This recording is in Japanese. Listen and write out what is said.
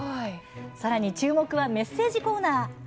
さらに注目はメッセージコーナー。